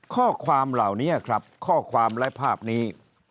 ข้อความเหล่านี้ครับข้อความและภาพนี้